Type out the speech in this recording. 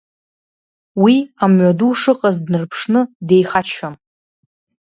Уи, амҩаду шыҟаз днарԥшны, деихаччон.